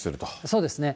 そうですね。